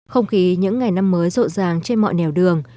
không khí những ngày năm mới rộn ràng trên mọi nẻo đường